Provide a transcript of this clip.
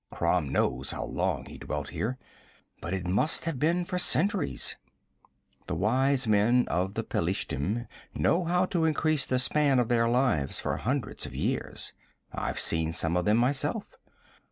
Crom knows how long he dwelt here, but it must have been for centuries. The wise men of the Pelishtim know how to increase the span of their lives for hundreds of years. I've seen some of them myself.